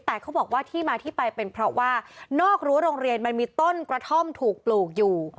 แต่เขาบอกว่าที่มาที่ไปเป็นเพราะว่านอกรั้วโรงเรียนมันมีต้นกระท่อมถูกปลูกอยู่